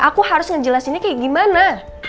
aku harus ngejelasinnya kayak gimana